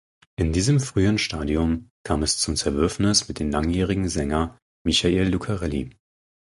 In diesem frühen Stadium kam es zum Zerwürfnis mit dem langjährigen Sänger Michael Lucarelli.